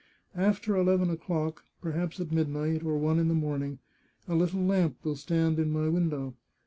After eleven o'clock — perhaps at midnight, or one in the morning — a little lamp will stand in my window.